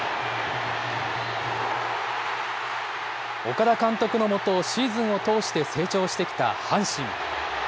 岡田監督の下、シーズンを通して成長してきた阪神。